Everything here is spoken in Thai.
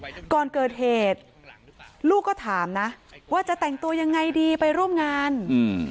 ก่อนเกิดเหตุลูกก็ถามนะว่าจะแต่งตัวยังไงดีไปร่วมงานอืม